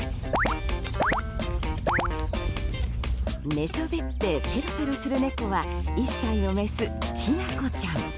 寝そべってペロペロする猫は１歳のメス、ひな子ちゃん。